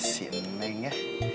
si neng ya